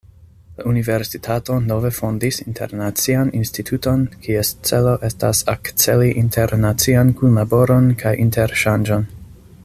La universitato nove fondis Internacian Instituton, kies celo estas akceli internacian kunlaboron kaj interŝanĝon.